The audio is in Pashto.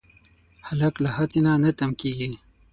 هلک له هڅې نه نه تم کېږي.